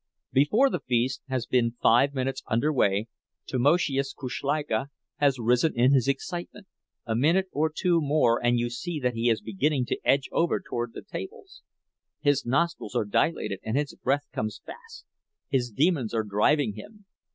Before the feast has been five minutes under way, Tamoszius Kuszleika has risen in his excitement; a minute or two more and you see that he is beginning to edge over toward the tables. His nostrils are dilated and his breath comes fast—his demons are driving him.